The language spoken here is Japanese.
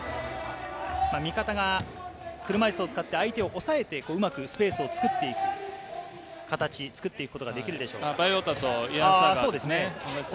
味方が車いすを使って相手を抑えて、うまくスペースを作っていくことができるでしょうか。